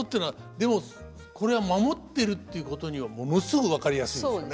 でもこれは守ってるっていうことにはものすごく分かりやすいですね。